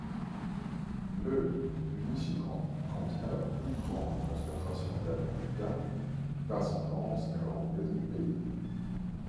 Le du Michigan contient la plus grande concentration d'Américains d'ascendance néerlandaise du pays.